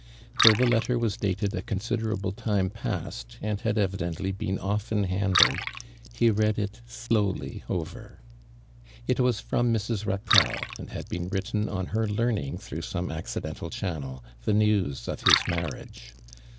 Though the letter was dated a considerable time i)ast and had evidently been often handled, he lead it slowly over. It was from Mrs. Eatelle, and had been written on her learning tlirough some acci dental channel the news of his marriage.